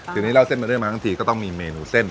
ทีนี้เล่าเส้นเป็นเรื่องมาทั้งทีก็ต้องมีเมนูเส้น